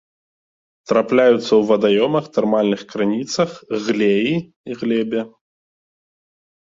Трапляюцца ў вадаёмах, тэрмальных крыніцах, глеі, глебе.